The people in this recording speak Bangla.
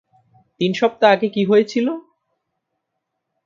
তিন সপ্তাহ আগে কি হয়েছিল?